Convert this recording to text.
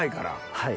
はい。